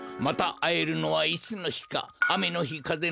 またあえるのはいつのひか。